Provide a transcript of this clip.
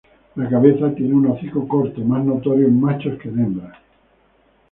La cabeza tiene un hocico corto, más notorio en machos que en hembras.